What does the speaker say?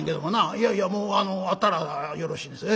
「いやいやもうあったらよろしいです。